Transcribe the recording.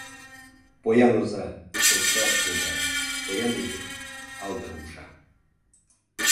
Поян оза — шопка логар, поян иге — алдыр умша.